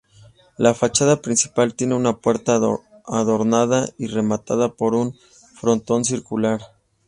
La fachada principal tiene una puerta adornada y rematada por un frontón circular.